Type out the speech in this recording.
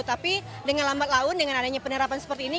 tapi dengan lambat laun dengan adanya penerapan seperti ini